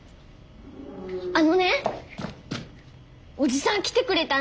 あのねおじさん来てくれたんだ。